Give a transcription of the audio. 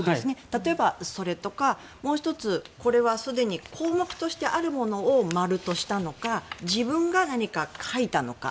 例えば、それとかもう１つ、これはすでに項目としてあるものを〇としたのか自分が何か書いたのか。